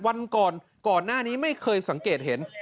วันก่อนก่อนหน้านี้ไม่เคยสังเกตเห็น